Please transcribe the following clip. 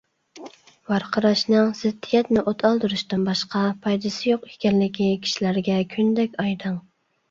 ۋارقىراشنىڭ زىددىيەتنى ئوت ئالدۇرۇشتىن باشقا پايدىسى يوق ئىكەنلىكى كىشىلەرگە كۈندەك ئايدىڭ.